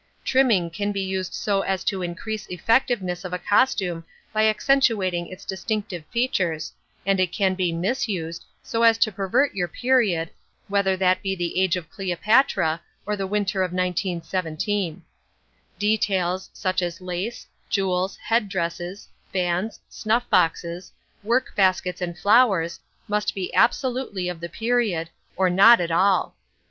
Trimming can be used so as to increase effectiveness of a costume by accentuating its distinctive features, and it can be misused so as to pervert your period, whether that be the age of Cleopatra, or the Winter of 1917. Details, such as lace, jewels, head dresses, fans, snuff boxes, work baskets and flowers must be absolutely of the period, or not at all.